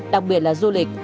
đặc biệt là du lịch